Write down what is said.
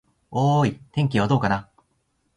おーーい、天気はどうかな。